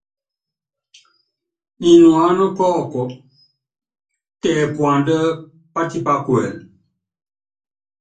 Nyinuána kɔɔkɔ, tɛ puandá patípá kuɛlɛ.